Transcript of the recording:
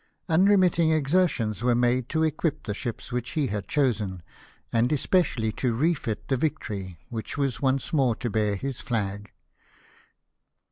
Unremitting exertions were made to equip the ships which he had chosen, and especially to refit the Victory, which was once more to bear his flag.